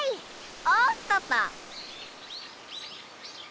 おっとっと。